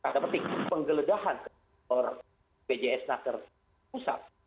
dan penting penggeledahan ke sor bpjs narkotik pusat